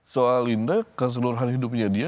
soal indah keseluruhan hidupnya dia